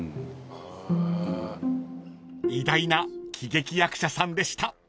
［偉大な喜劇役者さんでした］